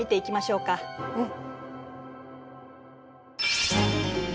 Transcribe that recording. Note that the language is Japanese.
うん。